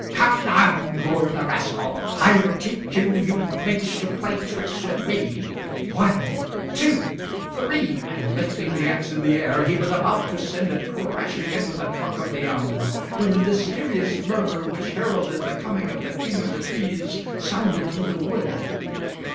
"Come down," roared the rascal. "I'll teach you, you minx, to play tricks with me. One two three." And lifting the axe in the air, he was about to send it crashing into the trunk of the elm, when the mysterious murmur which heralded the coming of the King of the Trees sounded through the wood.